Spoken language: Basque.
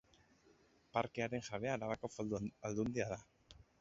Parkearen jabea Arabako Foru Aldundia da.